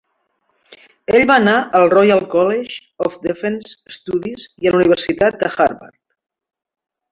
Ell va anar al Royal College of Defence Studies i a la Universitat de Harvard.